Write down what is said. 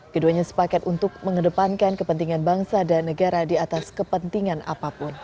keduanya sepakat untuk mengedepankan kepentingan bangsa dan negara di atas kepentingan apapun